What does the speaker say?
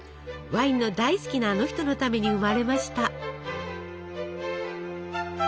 ワインの大好きなあの人のために生まれました。